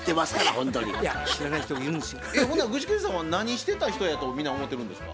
ほんなら具志堅さんは何してた人やと皆思ってるんですか？